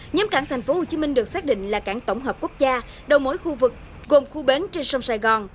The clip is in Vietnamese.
nhóm cảng tp hcm được xác định là cảng tổng hợp quốc gia đầu mối khu vực gồm khu bến trên sông sài gòn